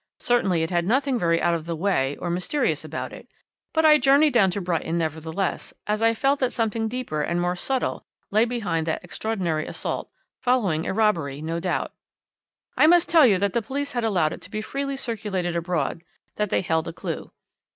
Certainly it had nothing very out of the way or mysterious about it, but I journeyed down to Brighton nevertheless, as I felt that something deeper and more subtle lay behind that extraordinary assault, following a robbery, no doubt. "I must tell you that the police had allowed it to be freely circulated abroad that they held a clue.